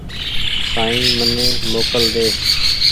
سائين مني موڪل ۮي